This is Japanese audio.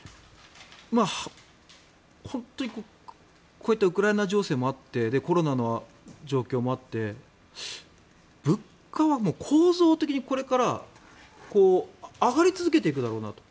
本当に、こういったウクライナ情勢もあってコロナの状況もあって物価は構造的にこれから上がり続けていくだろうなと。